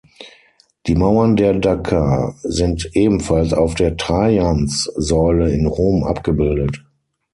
Die Mauern der Daker sind ebenfalls auf der Trajanssäule in Rom abgebildet.